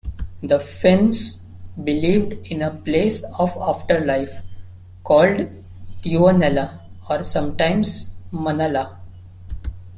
The Finns believed in a place of afterlife called Tuonela, or sometimes Manala.